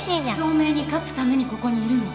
京明に勝つためにここにいるの。